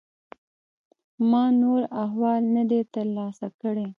ما نور احوال نه دی ترلاسه کړی.